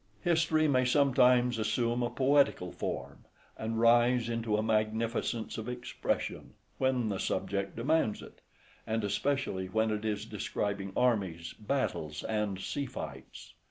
History may sometimes assume a poetical form, and rise into a magnificence of expression, when the subject demands it; and especially when it is describing armies, battles, and sea fights.